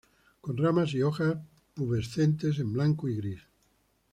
Con ramas y hojas pubescentes en blanco y gris.